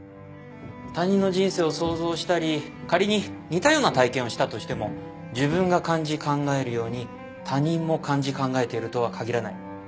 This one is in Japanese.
他人の人生を想像したり仮に似たような体験をしたとしても自分が感じ考えるように他人も感じ考えているとは限らない。